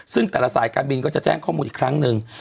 ซึ่งแต่ละสายการบินก็จะแจ้งข้อมูลอีกครั้งหนึ่ง